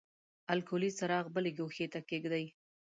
الکولي څراغ بلې ګوښې ته کیږدئ.